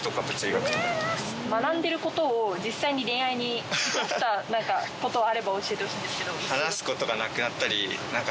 学んでることを実際に恋愛に生かしたことあれば教えてほしいんですけど。